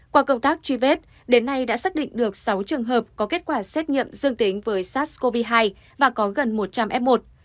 qua công tác truy vết đến nay đã xác định được sáu trường hợp có kết quả xét nghiệm dương tính với sars cov hai và có gần một trăm linh f một